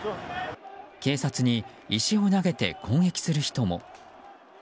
警察に石を投げて攻撃する人も。